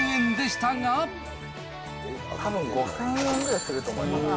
たぶん５０００円ぐらいすると思います。